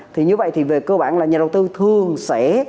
thì như vậy thì về cơ bản là nhà đầu tư thường sẽ